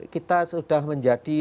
kita sudah menjadi